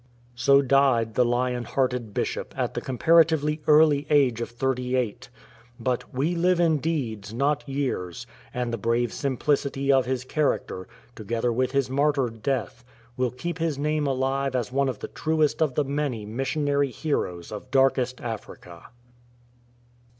So died the lion hearted Bishop at the comparatively early age of thirty eight. But "we live in deeds, not years ""; and the brave simplicity of his character, together with his martyr death, will keep his name alive as one of the truest of the many missionary heroes of "Darkest Africa.''